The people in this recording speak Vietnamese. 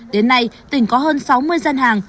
đến nay tỉnh có hơn sáu mươi dân hàng